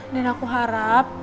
dan aku harap